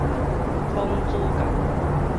孔子教